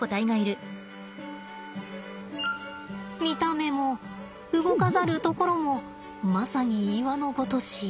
見た目も動かざるところもまさに岩のごとし。